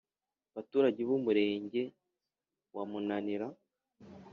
baturage b’umurenge wa munanira,